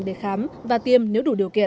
để khám và tiêm nếu đủ điều kiện